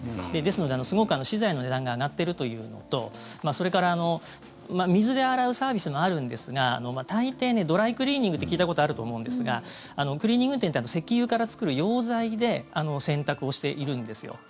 ですので、すごく資材の値段が上がっているというのとそれから水で洗うサービスもあるんですが大抵、ドライクリーニングって聞いたことあると思うんですがクリーニング店って石油から作る溶剤で洗濯をしているんですよ。